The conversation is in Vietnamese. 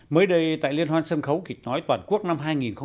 mới đây tại liên hoan sân khấu kịch nói toàn quốc năm hai nghìn một mươi chín